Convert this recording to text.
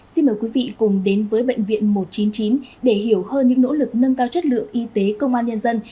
xin mời quý vị cùng đến với bệnh viện một trăm chín mươi chín để hiểu hơn những nỗ lực nâng cao chất lượng y tế công an nhân dân